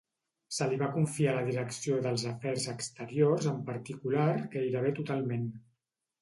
Se li va confiar la direcció dels afers exteriors en particular gairebé totalment.